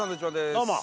どうも！